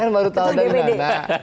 saya kan baru tahu dari anda